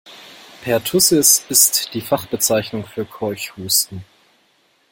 Pertussis ist die Fachbezeichnung für Keuchhusten.